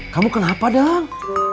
kamu kenapa dang